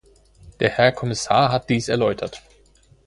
Der Herr Kommissar hat dies erläutert.